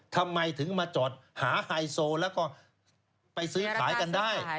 ทำไมถึงมาจอดหาไฮโซแล้วก็ไปซื้อขายกันได้